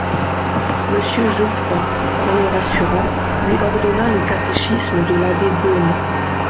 Monsieur Jeufroy, en le rassurant, lui ordonna le Catéchisme de l'abbé Gaume.